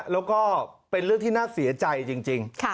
แล้วก็เป็นเรื่องที่น่าเสียใจจริง